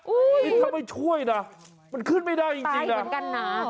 อุ้ยนี่ถ้าไม่ช่วยน่ะมันขึ้นไม่ได้จริงจริงน่ะตายเหมือนไก่หนา